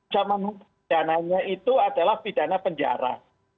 zaman pidananya itu adalah pidana penjara